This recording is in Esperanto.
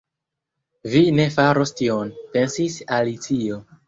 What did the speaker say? “Vi ne faros tion” pensis Alicio.